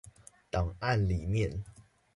檔案裡面